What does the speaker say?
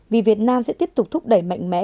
vì việt nam sẽ tiếp tục thúc đẩy mạnh mẽ